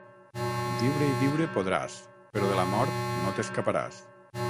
Viure i viure podràs, però de la mort no t'escaparàs.